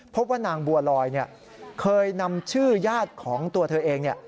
พบว่านางบัวลอยเคยนำชื่อญาติของตัวเธอเอง